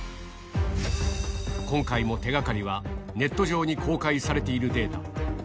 今回も手がかりは、ネット上に公開されているデータ。